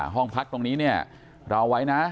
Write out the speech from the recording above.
ห้องพักตรงนี้เนี่ยเราไว้นะ